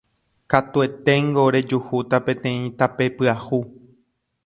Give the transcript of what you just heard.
Katueténgo rejuhúta peteĩ tape pyahu